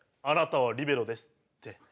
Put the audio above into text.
あなたはリベロですって。